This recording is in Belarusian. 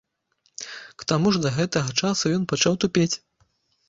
К таму ж да гэтага часу ён пачаў тупець.